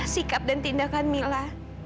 sikap dan tindakan mila